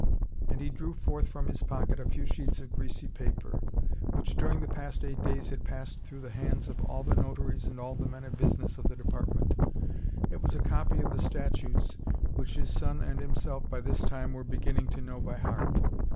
And he drew forth from his pocket a few sheets of greasy paper, which during the past eight days had passed through the hands of all the notaries and all the men of business of the department. It was a copy of the statutes which his son and himself by this time were beginning to know by heart.